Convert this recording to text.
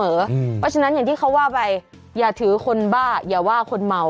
เพราะฉะนั้นอย่างที่เขาว่าไปอย่าถือคนบ้าอย่าว่าคนเมา